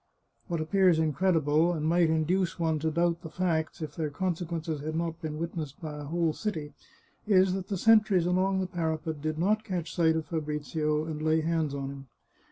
What appears incredible, and might induce one to doubt the facts, if their consequences had not been witnessed by a whole city, is that the sentries along the parapet did not catch sight of Fabrizio and lay hands on him.